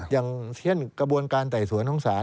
อย่างเช่นกระบวนการไต่สวนของศาล